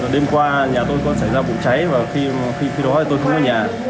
đêm qua nhà tôi có xảy ra bụng cháy và khi đó tôi không ở nhà